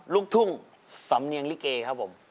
ลูกทุ่งสำเนียงลิเกครับผม